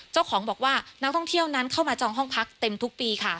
เจ้าของบอกว่านักท่องเที่ยวนั้นเข้ามาจองห้องพักเต็มทุกปีค่ะ